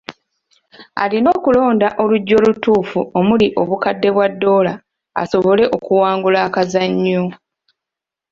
Alina okulonda oluggi olutuufu omuli obukadde bwa doola asobole okuwangula akazannyo.